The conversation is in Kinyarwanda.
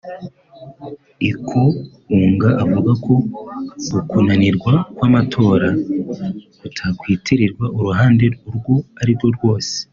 Ikounga avuga ko ukunanirwa kw’amatora kutakwitirirwa uruhande urwo ari rwo rwose